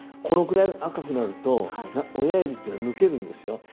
このくらい赤くなると親指っていうのは抜けるんですよ。